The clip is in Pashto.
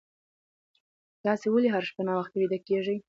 تاسي ولې هره شپه ناوخته ویده کېږئ؟